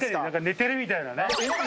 寝てるみたいなね。